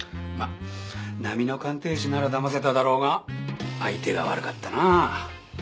まっ並の鑑定士ならだませただろうが相手が悪かったな。